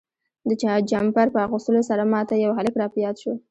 د جمپر په اغوستلو سره ما ته یو هلک را په یاد شو.